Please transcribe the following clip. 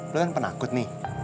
lo kan penakut nih